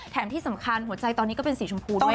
ที่สำคัญหัวใจตอนนี้ก็เป็นสีชมพูด้วย